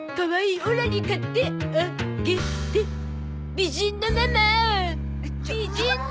美人のママ！